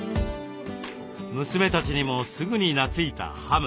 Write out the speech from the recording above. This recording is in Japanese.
娘たちにもすぐになついたハム。